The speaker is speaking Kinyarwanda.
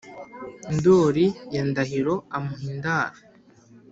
Ndoli ya Ndahiro amuha indaro